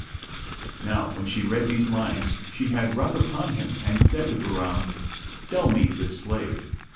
"[FN#395] Now when she read these lines, she had ruth upon him and said to Bahram, "Sell me this slave."